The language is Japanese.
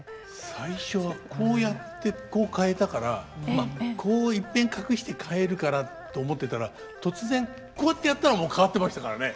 最初はこうやってこう変えたからまあこういっぺん隠して変えるからと思ってたら突然こうってやったらもう変わってましたからね。